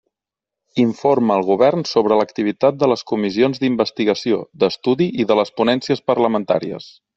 Informa el Govern sobre l'activitat de les comissions d'investigació, d'estudi i de les ponències parlamentàries.